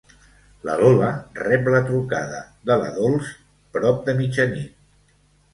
La Lola rep la trucada de la Dols, prop de mitjanit.